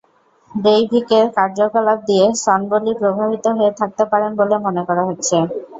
ব্রেইভিকের কার্যকলাপ দিয়ে সনবোলি প্রভাবিত হয়ে থাকতে পারেন বলে মনে করা হচ্ছে।